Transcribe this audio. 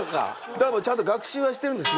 だからもうちゃんと学習はしてるんです。